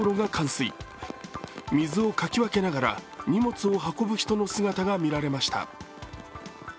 水をかき分けながら、荷物を運ぶ人の姿が見られました。